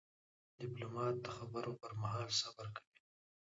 ډيپلومات د خبرو پر مهال صبر کوي.